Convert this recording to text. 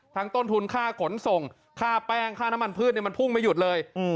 ต้นทุนค่าขนส่งค่าแป้งค่าน้ำมันพืชมันพุ่งไม่หยุดเลย